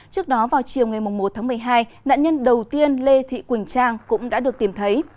trước đó vào chiều ngày một tháng một mươi hai nạn nhân đầu tiên lê thị quỳnh trang cũng đã được tìm thấy